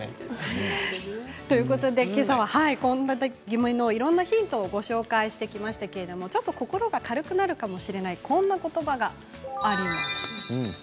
けさは献立ぎめのいろんなヒントをご紹介してきましたけれどもちょっと心が軽くなるかもしれない、こんなことばがあります。